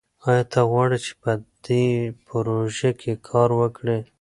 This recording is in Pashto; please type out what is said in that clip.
ایا ته غواړې چې په دې پروژه کې کار وکړې؟